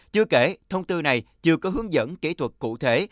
chưa kể thông tư này chưa có hướng dẫn kỹ thuật cụ thể